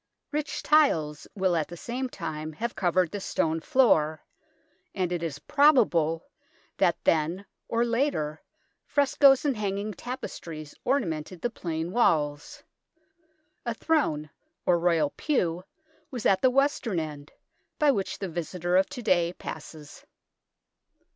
Rich tiles will at the same time have covered the stone floor, and it is prob able that then or later frescoes and hanging tapestries ornamented the plain walls. A Throne or Royal pew was at the western end, by which the visitor of to day passes.